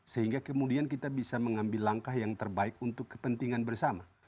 sehingga kemudian kita bisa mengambil langkah yang terbaik untuk kepentingan bersama